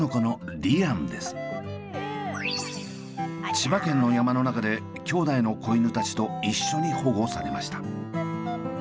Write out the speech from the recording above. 千葉県の山の中で兄弟の子犬たちと一緒に保護されました。